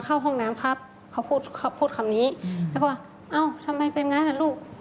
เขาพูดคำนี้แล้วก็ว่าเอ้าทำไมเป็นอย่างนั้นลูก